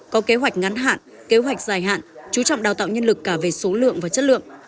có kế hoạch ngắn hạn kế hoạch dài hạn chú trọng đào tạo nhân lực cả về số lượng và chất lượng